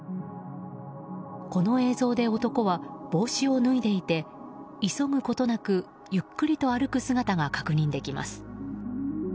この映像で、男は帽子を脱いでいて急ぐことなくゆっくりと歩く姿が確認できます。